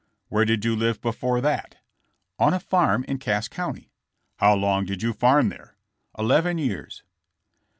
Where did you live before that?" 0n a farm in Cass county." How long did you farm there?" Eleven years."